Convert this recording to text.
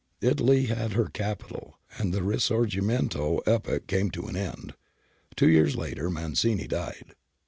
Italy had her capital, and the risorij^imcuto epoch came to an end. Two years later Mazzini died.